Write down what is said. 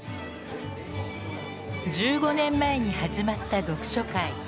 １５年前に始まった読書会。